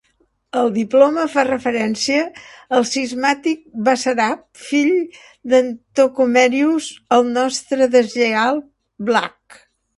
El diploma fa referència al cismàtic Basarab, fill d'en Thocomerius, el nostre deslleial Vlach.